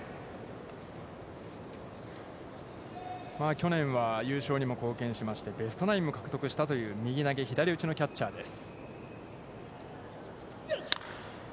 去年は優勝にも貢献しまして、ベストナインも獲得したという、右投げ左打ちのキャッチャーです。